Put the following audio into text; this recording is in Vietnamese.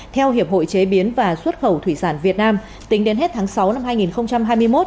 theo hiệp hội chế biến và xuất khẩu thủy sản việt nam tính đến hết tháng sáu năm hai nghìn hai mươi một